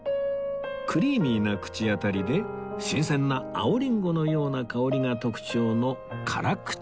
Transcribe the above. クリーミーな口当たりで新鮮な青リンゴのような香りが特徴の辛口ワインです